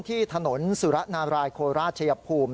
ที่ถนนสุรนารายโคราชภูมิ